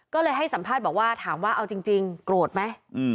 ก็เลยให้สัมภาษณ์บอกว่าถามว่าเอาจริงโกรธไหม